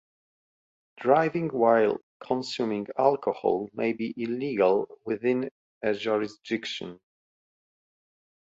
Driving while consuming alcohol may be illegal within a jurisdiction.